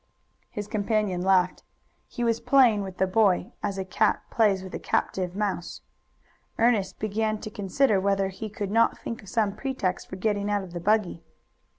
His companion laughed. He was playing with the boy as a cat plays with a captive mouse. Ernest began to consider whether he could not think of some pretext for getting out of the buggy.